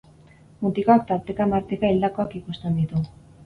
Mutikoak tarteka-marteka hildakoak ikusten ditu.